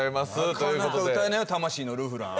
なかなか歌えないよ「魂のルフラン」